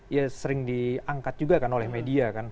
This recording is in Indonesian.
ya sering diangkat juga kan oleh media kan